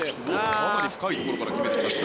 かなり深いところから決めてきました。